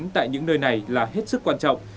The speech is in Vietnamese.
tại những nơi này là hết sức quan trọng